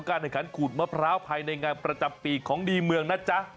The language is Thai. แห่งขันขูดมะพร้าวภายในงานประจำปีของดีเมืองนะจ๊ะ